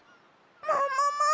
ももも！